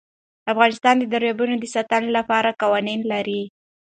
افغانستان د دریابونه د ساتنې لپاره قوانین لري.